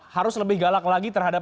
harus lebih galak lagi terhadap